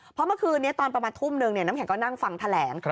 เพราะเมื่อคืนนี้ตอนประมาณทุ่มนึงน้ำแข็งก็นั่งฟังแถลง